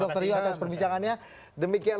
dr yu atas perbincangannya demikian